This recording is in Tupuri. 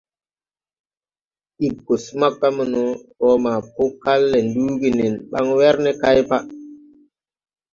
Ig go smaga mono, roo ma po kal le nduugi nen baŋ wer ne kay paʼ.